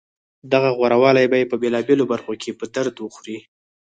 دغه غورهوالی به یې په بېلابېلو برخو کې په درد وخوري